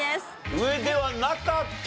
上ではなかった。